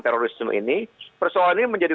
terorisme ini persoalan ini menjadi